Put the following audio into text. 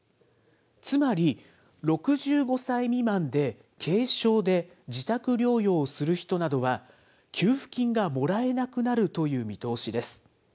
つまり、６５歳未満で軽症で自宅療養をする人などは、給付金がもらえなくなるという見通しです。